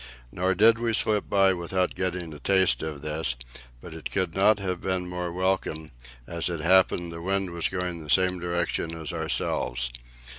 Nor did we slip by without getting a taste of this; but it could not have been more welcome, as it happened that the wind was going the same way as ourselves.